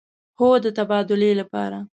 هو، د تبادلې لپاره